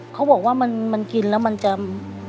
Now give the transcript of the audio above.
เขาบอกว่ากินแล้วจะ